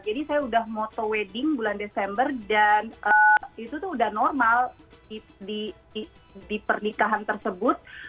jadi saya udah moto wedding bulan desember dan itu tuh udah normal di pernikahan tersebut